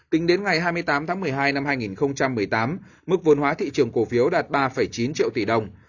tính đến ngày hai mươi tám tháng một mươi hai năm hai nghìn một mươi tám mức vốn hóa thị trường cổ phiếu đạt ba chín triệu tỷ đồng